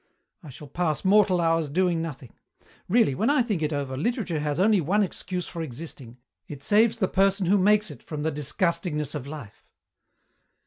I shall pass mortal hours doing nothing. Really, when I think it over, literature has only one excuse for existing; it saves the person who makes it from the disgustingness of life."